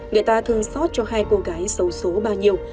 người ta thường xót cho hai cô gái xấu số bao nhiêu